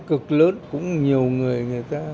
cực lớn cũng nhiều người người ta